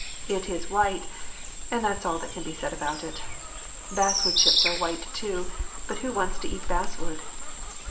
It is white, and that's all that can be said about it. Basswood chips are white, too, but who wants to eat basswood